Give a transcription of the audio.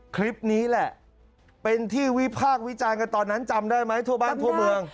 คลิปนี้แหละเป็นที่วิพากษ์วิจารณ์กันตอนนั้นจำได้ไหมทั่วบ้านทั่วเมือง